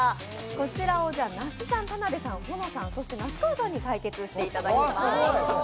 こちらを那須さん、田辺さん、保乃さんそして那須川さんに対決してもらいます。